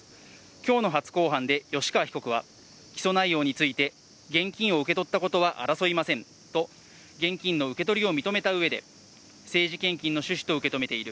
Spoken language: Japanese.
きょうの初公判で吉川被告は、起訴内容について、現金を受け取ったことは争いませんと、現金の受け取りを認めたうえで、政治献金の趣旨と受け止めている。